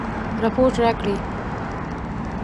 رپوټ راکړي.